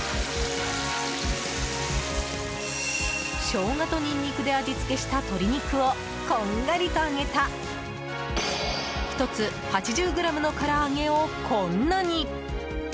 ショウガとニンニクで味付けした鶏肉をこんがりと揚げた１つ８０ｇのから揚げをこんなに！